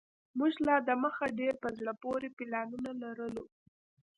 موږ لا دمخه ډیر په زړه پوري پلانونه لرو